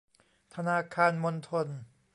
ธนาคารมณฑล